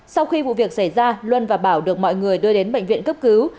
sau khi vụ việc xảy ra luân và bảo được mọi người đưa đến bệnh viện cấp cứu